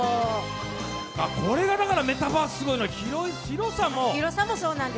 これがだからメタバースすごいのは広さと。